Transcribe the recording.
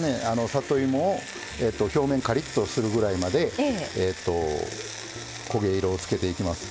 里芋を表面カリッとするぐらいまで焦げ色をつけていきます。